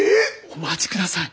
お待ちください。